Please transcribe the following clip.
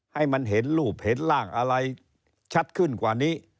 ให้มันเห็นรูปเห็นร่างอะไรชัดขึ้นกว่านี้